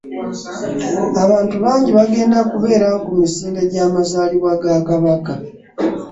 Abantu bangi bagenda kubeerawo kumisinde gy'amazalibwa ga kabaka.